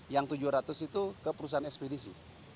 yang tujuh ratus itu ke perusahaan ekspedisi